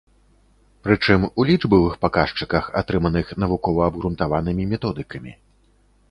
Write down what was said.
Прычым, у лічбавых паказчыках, атрыманых навукова-абгрунтаванымі методыкамі.